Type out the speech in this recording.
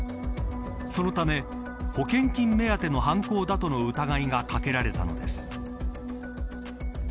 そのため保険金目当ての犯行だとの疑いがかけられたのです。